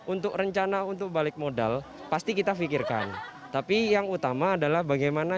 untuk rencana untuk balik modal pasti kita pikirkan tapi yang utama adalah bagaimana